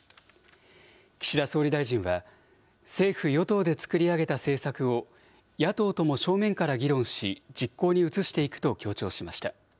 岸田総理大臣は、政府・与党で作り上げた政策を、野党とも正面から議論し、実行に移していくと強調しました。